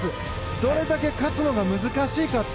どれだけ勝つのが難しいかって。